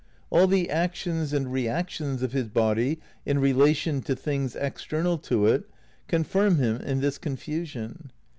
All the actions and reactions of his body in relation to things external to it confirm him in this confusion.